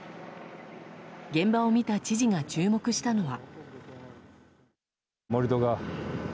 現場を見た知事が注目したのは。